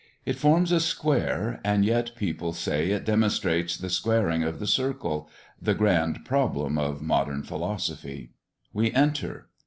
It forms a square; and yet people say it demonstrates the squaring of the circle, the grand problem of modern philosophy. We enter.